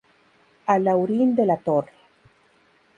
Alhaurín de la Torre.